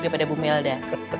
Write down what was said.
daripada bu melda